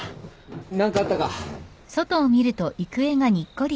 何かあったか？